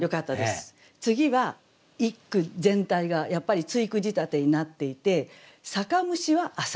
次は一句全体がやっぱり対句仕立てになっていて「酒蒸しは浅蜊」